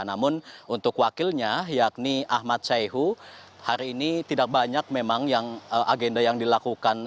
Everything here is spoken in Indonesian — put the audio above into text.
namun untuk wakilnya yakni ahmad syaihu hari ini tidak banyak memang agenda yang dilakukan